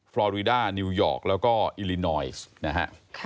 ฟรอรีด้านิวยอร์กแล้วก็อิลินอยซ์นะฮะ